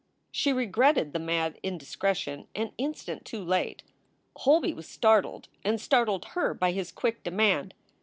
She regretted the mad indiscretion an instant too late. Holby was startled, and startled her by his quick demand.